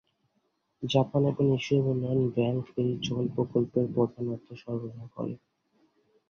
Japan এবং এশীয় উন্নয়ন ব্যাংক এই জল প্রকল্পের প্রধান অর্থ সরবরাহ করে।